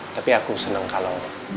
tapi aku senang kalau